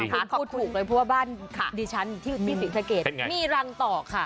พูดถูกเลยเพราะว่าบ้านดิฉันที่ศรีสะเกดมีรังต่อค่ะ